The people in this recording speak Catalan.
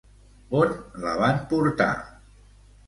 On la van portar?